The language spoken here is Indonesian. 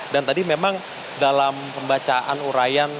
dan tadi memang dalam pembacaan urayan